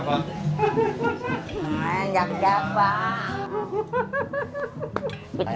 kami juga mencari jalan untuk mencari jalan